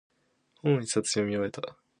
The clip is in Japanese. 本を一冊読み終えた。